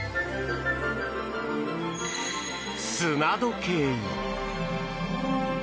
砂時計。